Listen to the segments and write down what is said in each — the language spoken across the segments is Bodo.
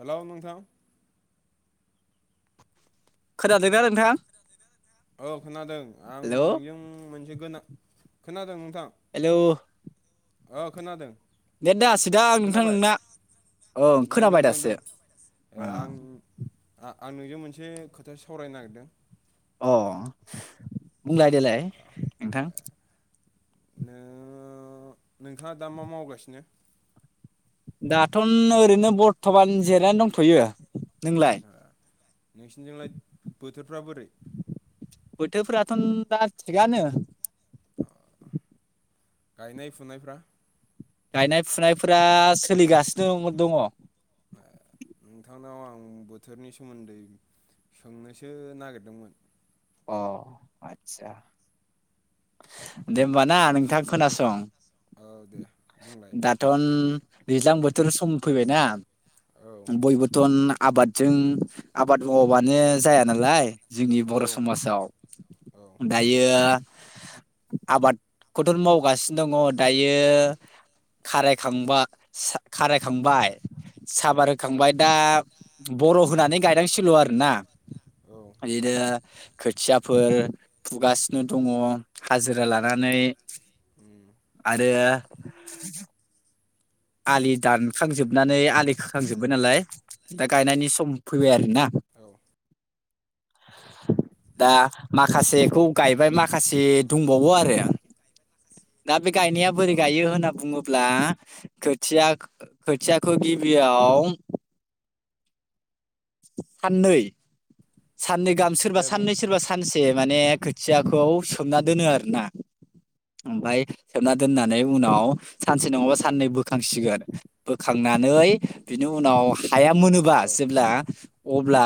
हेलौ नोंथां। खोनादोंना नोंथां। औ खोनादों आं हेलौ नोंजों मोनसे गोनां खोनादों नोंथां। हेलौ ओ खोनादों। नेट नाङासै दां नोंथां खोनाबाय नोंना। ओं नांदों खोनाबाय नांदों दासो ए आं आं नोंजों मोनसे खोथा सावरायनो नागिरदों। अह बुंलाय देलाय नोंथां ओ नोंथाङा दा मा मावगासिनो। दाथ' ओरैनो बरथ'मान जिरनानै दंथ'यो नोंलाय। ओ, नोंसिनिजोंलाय बोथोरफ्रा बोरै बोथोरफोराथ'दा थिगानो गायनाय फुनायफ्रा गायनाय फुनायफोरा सोलिगासिनो दङ। नोंथांनाव आं बोथोरनि सोमोन्दै सोंनोसो नागिरदोंमोन। अह आदसा। दे होमबा ना सो- नोंथां खोनासं औ दे बुंलाय दाथ'। दैज्लां बोथोर सम फैबायना औ बयबोथ' ना आबादजों आबाद मावाबानो जाया नालाय जोंनि औ बर' समाजाव औ दायो आबादखौथ' मावगासिनो दङ दायो खारे खांबा खारे खांबाय। औ साबार होखांबाय दा बर' होनानै गायनांसिगौ आरो ना औ बिदिनो खोथियाफोर फुगासिनो दङ'। हाजिरा उम लानानै उम आरो- आलि दानखांजोबनानै आलि खोखांजोब्बाय नालाय दा गायनायनि सम फैबायआरो। ना औ [inaudible] दा माखासेखौ गायबाय माखासे दंबावो आरो। दा बे गायनाया औ बोरै गायो होनना बुङोब्ला- खोथिया खोथियाखौ गिबियाव साननै साननै गाहाम सोरबा दे बुं साननै सोरबा सानसे माने- खोथियाखौ सोमना दोनो आर ना ओमफफ्राय सोमना दोननानै उनाव- सानसे नङाबा औ साननै बोखांसिगोन बोखांनानै बिनि उनाव हाया मोनोबा औ जेब्ला अब्ला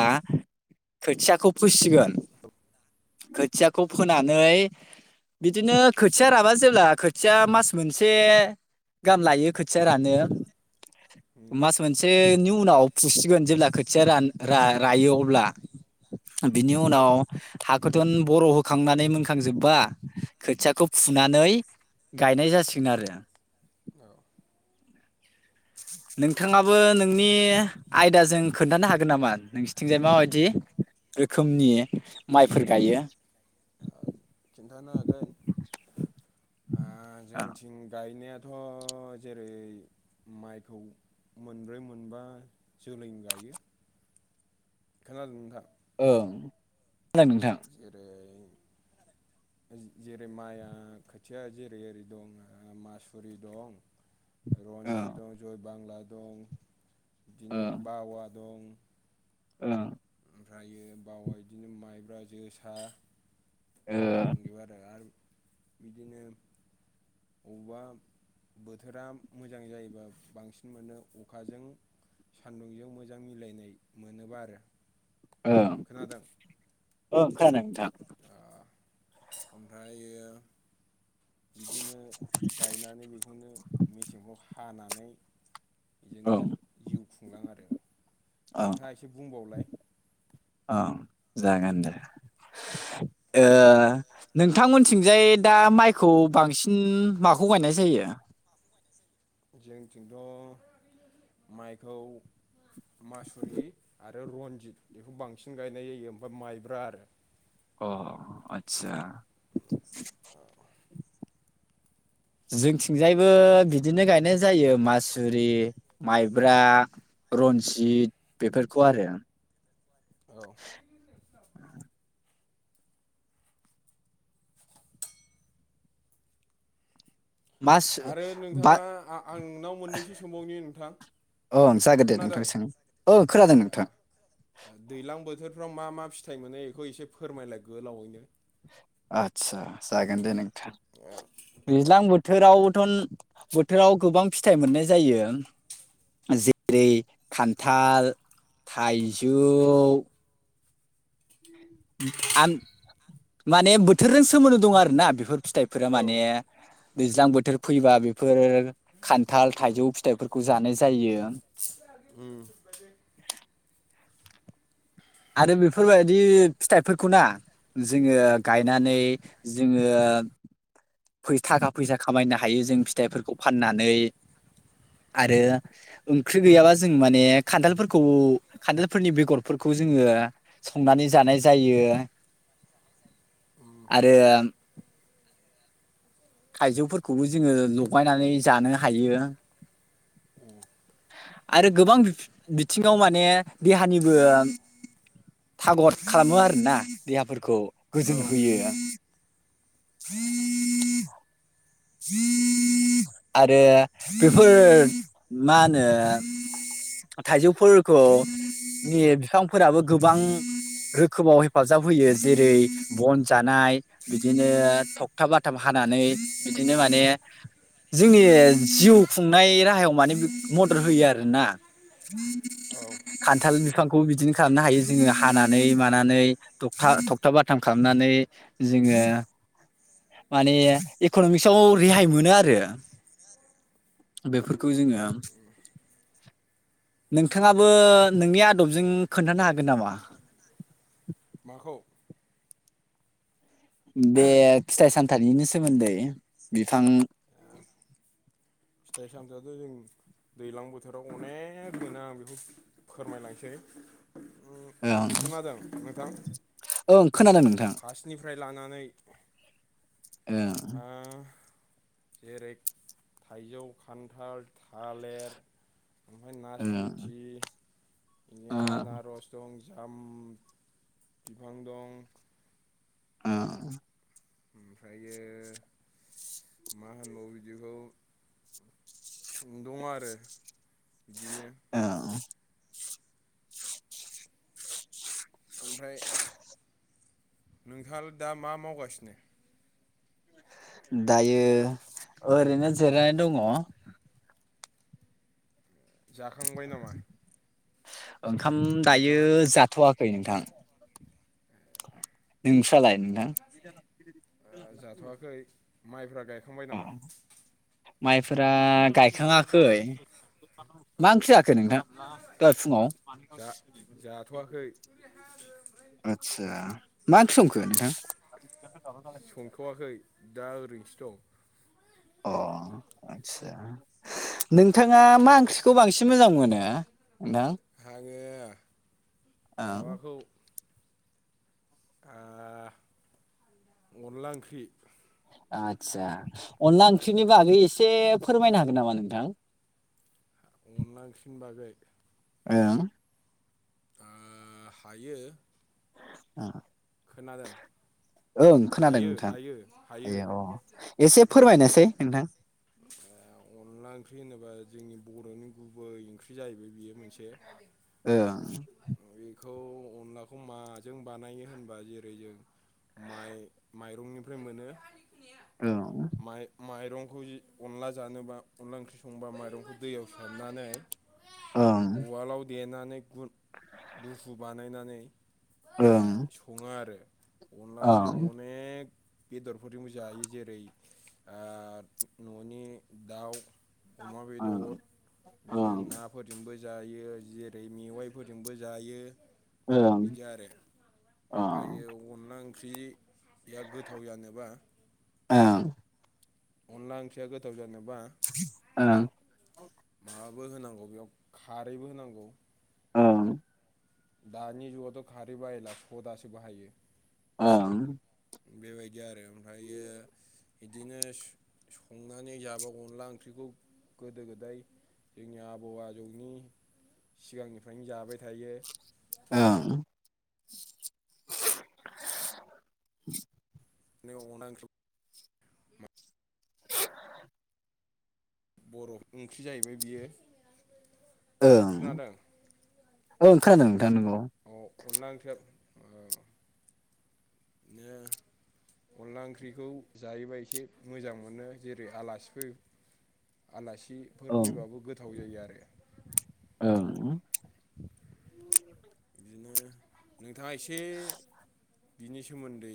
खोथियाखौ फुसिगोन। खोथियाखौ फोनानै बिदिनो खोथिया रबा जेला खोथिया मास मोनसे गाहाम लायो खोथिया रानो- उम मास मोनसेनि उनाव फुसिगोन जेब्ला खोथिया रान रायो अब्ला बिनि औ उनाव हाग गोथोन बर' होखांनानै मोनखांजोबबा खोथियाखौ फुनानै- गायनाय जासिगोन आरो। औ नोंथाङाबो नोंनि आयदाजों खोन्थानो हागोन नामा नोंसिथिंजाय माबायदि? रोखोमनि माइफोर गायो खिन्थानो हागोन ओ जोंथिं गायनाया'- अ जेरै- माइखौ मोनब्रै मोनबा जोलै गायो। खोनादों नोंथां ओं आ, खोनादों नोंथां जेरै- जेरै माइआ खोथिया जेरै ओरै दं मासुरि दं, ओं रनजित दं जय बांला दं बिदिनो ओं बावा दं, ओं ओमफ्रायो बावाय बिदिनो माइब्रा जोसा ओ दंजोबो आरो बिदिनो बबा बोथोरा मोजां जायोबा बांसिन मोनो अखाजों- सान्दुंजों मोजां मिलायनाय मोनोबा आरो ओं खोनादों? ओं खोनादों नोंथां ओमफ्राय बिदिनो गायनानै बेखौनो मेसेंआव हानानै- औ जोङो जिउ खुंलाङो आरो औ नोंथाङा एसे बुंबावलाय औ जागोन दे। ओ नोंथांमोनथिंजाय दा माइखौ बांसिन माखौ गाय? [unintelligible] जोंथिंथ' माइखौ मासुरि आरो रनजित बेखौ बांसिन गायनाय जायो ओमफ्राय माइब्रा आरो अ आतसा। जोंथिंजायबो बिदिनो गायनाय जायो मासुरि माइब्रा, रनजित बेफोरखौ आरो [inaudible] मास आरो बा नोंथाङा आं-आंनाव मोननैसो सोंबावनि नोंथां। औ जागोन दे नोंथां खोनादों सों ओं खोनादों नोंथां। दैलां बोथोरफ्राव मा मा फिथाइ मोनो बेखौ एसे फोरमायलाय गोलावैनो। आतसा जागोन दे नोंथां ओ, दैज्लां बोथोरावथ'न बोथोराव गोबां फिथाइ मोननाय जायो। जेरै खान्थाल, थाइजौ, आन माने बोथोरजों सोमोन्दो दं आरोना बेफोर फिथाइफोरा औ माने दैज्लां बोथोर फैबा बेफोर खान्थाल थाइजौ फिथाइफोरखौ जानाय जायो। आरो बेफोरबायदि फिथाइफोरखौ ना जोङो गायनानै जोङो फै-थाखा फैसा खामायनो हायो जों फिथाइफोरखौ फाननानै। आरो ओंख्रि गैयाबा जों माने उम खान्थालफोरखौ खान्थालफोरनि बेगरफोरखौ जोङो संनानै जानाय जायो। आसा [unintelligible] आरो थाइजौफोरखौबो जोङो लगायनानै जानो हायो। आरो गोबां बि-बिथिङाव माने देहानिबो थागद खालामो आरोना देहाफोरखौ। औ गोजोन होयो। ह [unintelligible] आरो बेफोर मा होनो थाइजौफोरखौ नि बिफांफोराबो गोबां रोखोमाव हेफाजाब होयो जेरै बन जानाय बिदिनो थगथाब बाथाब हानाय हानानै बिदिनो माने जोंनि जिउ खुंनाय राहायाव माने मदद होयो आरोना। ह औ [unintelligible] खान्थाल बिफांखौ बिदिनो खालामनो हायो जोङो हानानै मानानै थखथा थखथाब बाथाम खालामनानै नै जोङो माने इक'न'मिक्सआव रेहाय मोनो आरो। बेफोरखौ जोङो नोंथाङाबो नोंनि आदबजों खोन्थानो हागोन नामा? माखौ? बे फिथाइ सामथाइनिनो सोमोन्दै बिफां फिथाइ सामथाइयाथ' जों दैलां बोथोराव अनेक मोनो आं बेखौ फोरमायलांसै। उम, ओं खोनादों नोंथां ओं खोनादों। नोंथां फार्स्टनिफ्राय लानानै ए ओ जेरै थाइजौ, खान्थाल, थालेर ओमफ्राय ओं नासपुथि बिदिनो ओं आनारस दं। जाम बिफां दं। ओं ओमफ्रायो मा होनबावो बिदिखौ। दं आरो बिदिनो ओं ओमफ्राय नोंथाङा दा मा मावगासिनो? दायो ओरैनो जिरायनानै दङ। जाखांबाय नामा? ओंखाम दायो नोंथाङा जाथखै नोंथां नोंस्रालाय नोंथां? जाथ'वाखै माइफ्रा गायखांबाय अ नामा? माइफोरा गायखाङाखै। औ मा ओंख्रि जाखो नोंथां दहाय फुङाव। जा जाथ'वाखै आतसा मा ओंख्रि संखो नोंथां? [unintelligible] संथ'वाखै दा ओरैनोसो दं। अ आदसा। नोंथाङा मा ओंख्रिखौ बांसिन मोजां मोनो? नोंथां? आङो ओं माबाखौ ओ अनला ओंख्रि आदसा अनला ओंख्रिनि बागै एसे फोरमायनो हागोन नामा नोंथां? अनला ओंख्रिनि बागै ओं ओ हायो। ओ खोनादों? ओं खोनादों हायो नोंथां हायो हायो आय एसे फोरमायनोसै नोंथां। [inaudible] अनला ओंख्रि होनोबा जोंनि बरनि गुबै ओंख्रि जायैबाय बियो मोनसे ओ खौ अनलाखौ माजों बानायो होनबा जेरै जों माइ माइरंनिफ्राय मोनो ओं माइ माइरंखौ। अनला जानोबा अनला ओंख्रि संबा माइरंखौ दैयाव सोमनानै ओं उवालाव देनानै गुन दुफु बानायनानै सङो आरो। अनलाखौ जों ओं अनेख बेदरफोरजोंबो जायो जेरै ओ। ननि दाउ अमा ओं बेदर ओं बिदिनो नाफोरजोंबो। जायो जेरै मेवाइफोरजोंबो जायो। ओं बिदि आरो ओं ओमफायो अनला ओंख्रि। या गोथाव जानोबा। ओं अनला ओंख्रिया गोथाव जानोबा मा बो होनांगौ बेयाव खारैबो होनांगौ। औ दानि जुगावथ खारै बायला सदासो बाहायो। ओम बेबायदि आरो ओमफ्रायो। बिदिनो संनानै जाबा अनला ओंख्रिखौ गोदो गोदाय जोंनि आबौ आजौनि सिगांनिफ्रायनो जाबाय थायो। ओं [inaudible] बे अनला ओंख्रियाव बरफ ओंख्रि जायैबाय बियो ओं खोनादों? ओं खोनादों। नोंथां नंगौ अ अनला ओंख्रिया ओ दिनो। अनला ओंख्रिखौ जायोबा एसे मोजां मोनो जेरै आलासिफोर आलासिफोर ओं फैबाबो गोथाव जायो आ ओं बिदिनो नोंथाङा एसे बिनि सोमोन्दै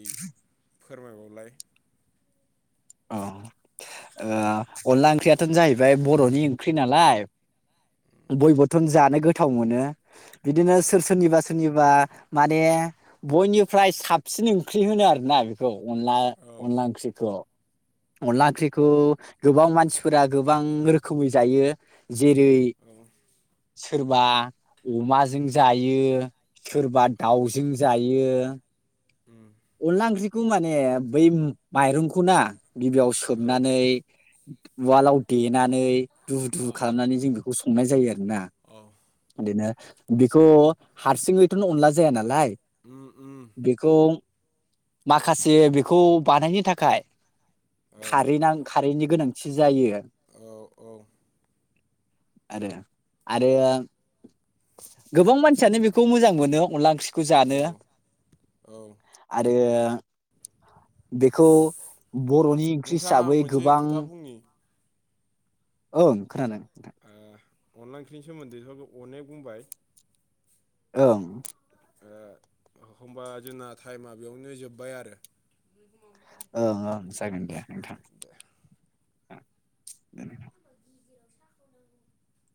फोरमायबावलाय। अ ओ अनला ओंख्रियाथ'न जाहैबाय बर'नि ओंख्रि नालाय बयबोथन जानो गोथाव मोनो बिदिनो औ सोर सोरनिबा सोरनिबा माने बयनिफ्राय साबसिन ओंख्रि होनो आरो ना बेखौ अनला औ अनला ओंख्रिखौ अनला ओंख्रिखौ गोबां मानसिफोरा गोबां रोखोमै जायो जेरै औ सोरबा अमाजों जायो सोरबा औ दाउजों जायो उम अनला ओंख्रिखौ माने बै माइरंखौ ना गिबियाव औ सोमनानै उवालाव देनानै दुु दुु औ खालामनानै जों बेखौ संनाय जायो आरोना औ ओ बेखौ हारसिङैथ'नो अनला जाया नालाय उम उम बेखौ माखासे बेखौ बानायनो थाखाय औ खारै नां खारैनि गोनांथि जायो। औ औ आरो आरो गोबां मानसियानो बेखौ मोजां मोनो अनला ओंख्रि खौ औ जानो औ आरो बेखौ बर'नि ओंख्रि नोंथां आं हिसाबै मोनसे गोबां खोथा बुंनि ओं खोनादों ओ अनला ओख्रिनि सोमोन्दै [unintelligible] अनेग बुंबाय ओं एखमबा जोंना टाइमा बेयावनो जोब्बाय आरो ओं ओं जागोन दे नोंथां गिेजिराव साखाव नांगौ [unintelligible]